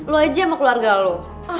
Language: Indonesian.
lo aja sama keluarga lo